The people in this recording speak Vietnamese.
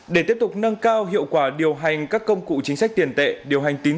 để tiếp tục nâng cao hiệu quả điều hành các công cụ chính sách tiền tệ điều hành tín dụng